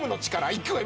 いくわよ。